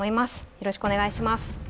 よろしくお願いします